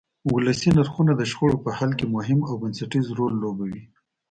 ولسي نرخونه د شخړو په حل کې مهم او بنسټیز رول لوبوي.